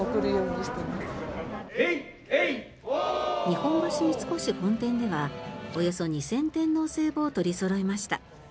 日本橋三越本店ではおよそ２０００点のお歳暮を取りそろえました。